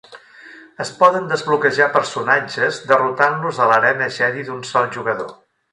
Es poden desbloquejar personatges derrotant-los a l'arena Jedi d'un sol jugador.